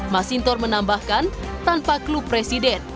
mas sintor menambahkan tanpa klub presiden